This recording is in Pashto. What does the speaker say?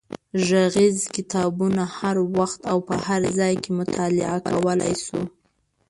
غږیز کتابونه هر وخت او په هر ځای کې مطالعه کولای شو.